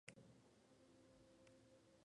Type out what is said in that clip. Es originario del sur tropical de África.